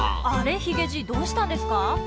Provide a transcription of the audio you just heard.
あれヒゲじいどうしたんですか。